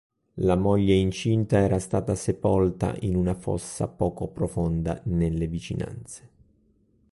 La moglie incinta era stata sepolta in una fossa poco profonda nelle vicinanze.